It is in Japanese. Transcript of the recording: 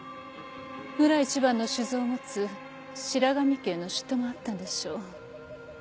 村一番の酒造を持つ白神家への嫉妬もあったんでしょう。